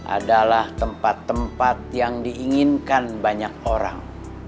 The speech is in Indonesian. adalah tempat tempat yang diinginkan banyak orang